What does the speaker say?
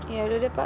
ya udah deh pak